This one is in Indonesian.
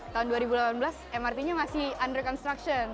tahun dua ribu delapan belas mrt nya masih under construction